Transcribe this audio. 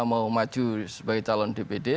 mau maju sebagai calon dpd